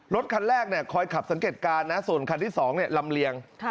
รถคันแรกคอยขับสังเกตการณ์นะส่วนคันที่๒ลำเลียง